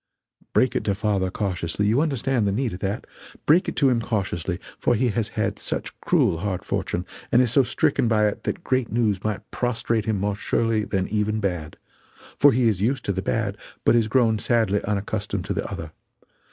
Break it to father cautiously you understand the need of that break it to him cautiously, for he has had such cruel hard fortune, and is so stricken by it that great good news might prostrate him more surely than even bad, for he is used to the bad but is grown sadly unaccustomed to the other.